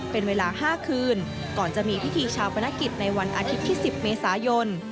เป็นเวลา๕คืนก่อนจะมีพิธีชาปนกิจในวันอาทิตย์ที่๑๐เมษายน